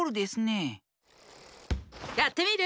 やってみる？